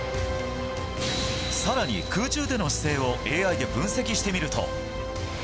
更に、空中での姿勢をＡＩで分析してみると。